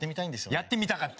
やってみたかった？